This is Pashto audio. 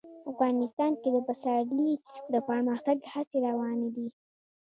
افغانستان کې د پسرلی د پرمختګ هڅې روانې دي.